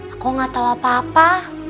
aku gak tau apa apa